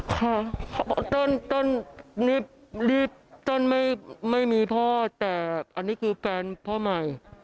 ค่ะจ้านนี้จ้านไม่มีพ่อแต่อันนี้คือแฟนพ่อใหม่